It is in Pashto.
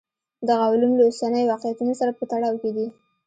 دغه علوم له اوسنیو واقعیتونو سره په تړاو کې دي.